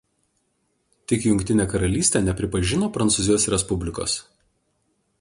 Tik Jungtinė Karalystė nepripažino Prancūzijos respublikos.